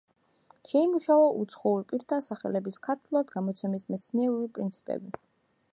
შეიმუშავა უცხოურ პირთა სახელების ქართულად გადმოცემის მეცნიერული პრინციპები.